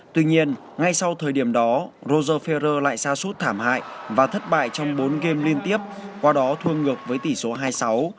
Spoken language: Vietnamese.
tuy nhiên ngay sau thời điểm đó roger ferrer lại ra sút thảm hại và thất bại trong bốn game liên tiếp qua đó thua ngược với tỷ số hai mươi sáu